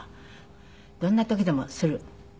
どんな時でもする？